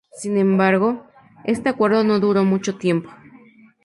Sin embargo, este acuerdo no duró mucho tiempo.